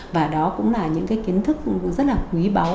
và đó cũng là những cái kiến thức rất là quý báu